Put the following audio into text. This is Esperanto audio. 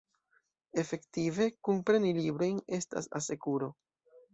Efektive, kunpreni librojn estas asekuro.